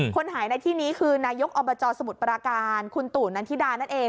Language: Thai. คนหายในที่นี้คือนายกอบจสมุทรปราการคุณตู่นันทิดานั่นเอง